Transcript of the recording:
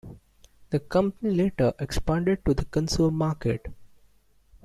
The company later expanded to the console market.